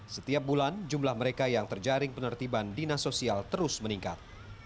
setiap bulan jumlah mereka yang terjaring penertiban dinas sosial terus meningkat